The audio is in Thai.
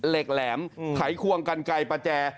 เหล็กแหลมไขควงกันไก่ประแจ